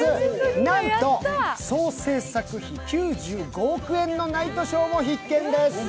なんと、総製作費９５億円のナイトショーも必見です。